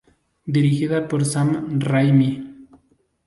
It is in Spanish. Dirigida por Sam Raimi.